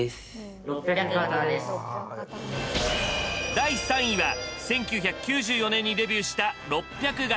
第３位は１９９４年にデビューした６００形。